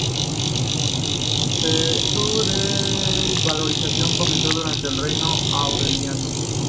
Su desvalorización comenzó durante el reinado de Aureliano.